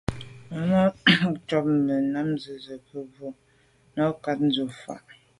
Màmá cák nâptə̄ tsə̂ cú mə̀bró nə̀ nɛ̌n cɑ̌k dʉ̀ vwá.